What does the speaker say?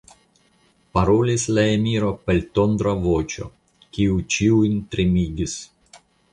parolis la emiro per tondra voĉo, kiu ĉiujn tremigis.